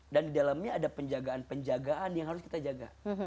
dan di dalamnya ada penjagaan penjagaan yang harus kita jaga